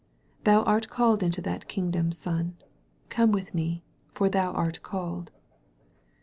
Thou art called into that kingdom, son; come with me, f<^ thoa art called."